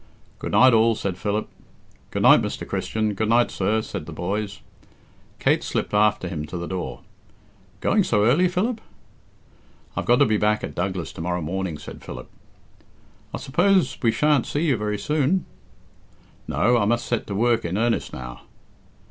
"Good night all," said Philip. "Good night, Mr. Christian, good night, sir," said the boys. Kate slipped after him to the door. "Going so early, Philip?" "I've to be back at Douglas to morrow morning," said Philip. "I suppose we shan't see you very soon?" "No, I must set to work in earnest now."